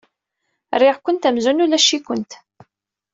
Rriɣ-kent amzun ulac-ikent.